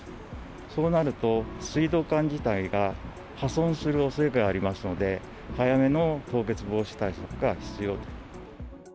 そうなると、水道管自体が破損するおそれがありますので、早めの凍結防止対策が必要。